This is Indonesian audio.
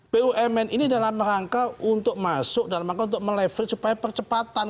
bumn ini dalam rangka untuk masuk dalam rangka untuk meleverage supaya percepatan